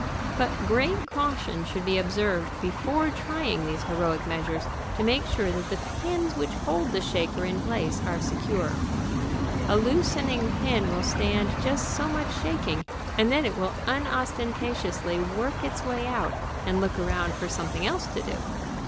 "] But great caution should be observed before trying these heroic measures to make sure that the pins which hold the shaker in place are secure. A loosened pin will stand just so much shaking, and then it will unostentatiously work its way out and look around for something else to do.